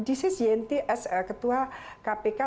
ini yenti sebagai ketua kpk